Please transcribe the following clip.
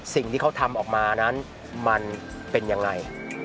สิ่งที่เขาทำออกมานั้นมันเป็นยังไง